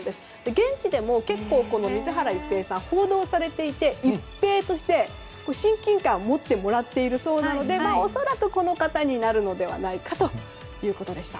現地でも結構、水原一平さん報道されていて「一平」として親近感を持ってもらってるそうなので恐らく、この方になるのではないかということでした。